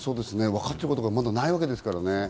わかっていることはまだないわけですもんね。